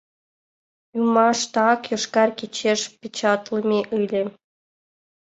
Ӱмаштак «Йошкар кечеш» печатлыме ыле.